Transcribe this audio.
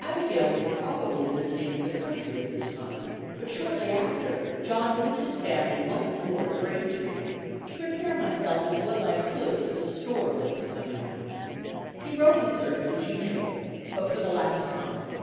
Abigail was probably visiting in the country at this time; but shortly after, John moved his family once more to Braintree, "to prepare myself as well as I could for the storm that was coming on." He rode his circuit as usual, but for the last time.